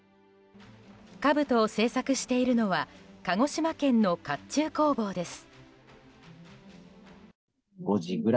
かぶとを製作しているのは鹿児島県の甲冑工房です。